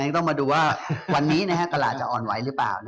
ต้องมาดูว่าวันนี้ตลาดจะอ่อนไหวหรือเปล่า